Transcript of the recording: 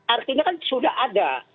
artinya kan sudah ada